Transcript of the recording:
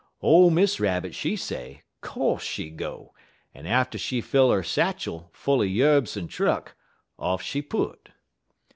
Ole Miss Rabbit, she say, co'se she go, en atter she fill 'er satchy full er yerbs en truck, off she put.